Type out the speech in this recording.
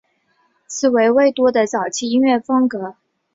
此为魏多的早期音乐风格。